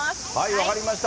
分かりました。